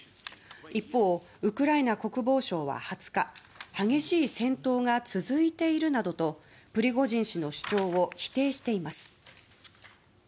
一方、ウクライナ国防省は２０日激しい戦闘が続いているなどとプリゴジン氏の主張を否定しています。